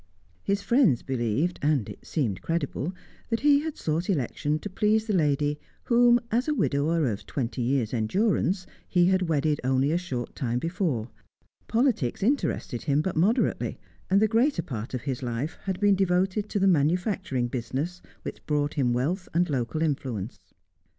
His friends believed, and it seemed credible, that he had sought election to please the lady whom, as a widower of twenty years' endurance, he had wedded only a short time before; politics interested him but moderately, and the greater part of his life had been devoted to the manufacturing business which brought him wealth and local influence.